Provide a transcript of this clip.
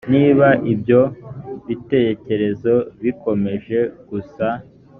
niba ibyo bitekerezo bikomeje gusa.